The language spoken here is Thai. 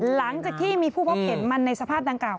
หลังจากที่มีผู้พบเห็นมันในสภาพดังกล่าว